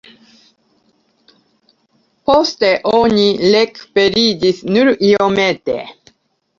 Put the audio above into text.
Poste oni rekuperiĝis nur iomete.